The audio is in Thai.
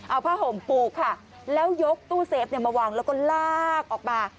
เอาผ้าห่มปูค่ะแล้วยกตู้เซฟมาวางแล้วก็ลากออกมา